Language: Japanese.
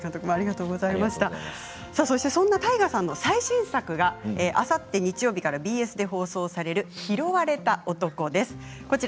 そんな太賀さんの最新作があさって日曜日からＢＳで放送される「拾われた男」です。